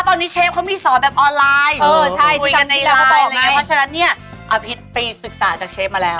ตอนนี้เชฟเขามีสอนแบบออนไลน์คุยกันในไลน์ว่าฉะนั้นเนี่ยอภิษฐ์ฟรีศึกษาจากเชฟมาแล้ว